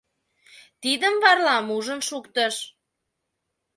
Тидым Варлам ужын шуктыш.